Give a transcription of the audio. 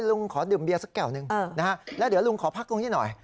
ลุงขอดื่มเบียร์สักแก่วหนึ่งเออนะฮะแล้วเดี๋ยวลุงขอพักลงที่หน่อย